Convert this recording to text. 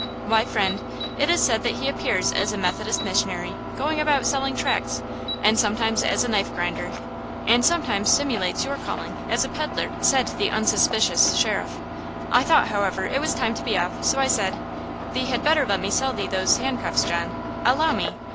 "'Why, friend, it is said that he appears as a Methodist missionary, going about selling tracts; and sometimes as a knife grinder, and sometimes simulates your calling, as a peddler!' said the unsuspicious sheriff. "I thought, however, it was time to be off, so I said, 'Thee had better let me sell thee those handcuffs, John. Allow me!